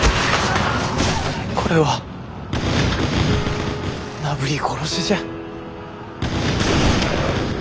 これはなぶり殺しじゃ。